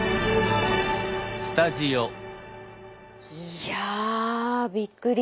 いやびっくりです。